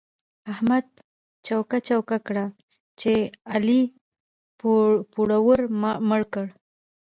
احمد چوک چوکه کړه چې علي پوروړو مړ کړ.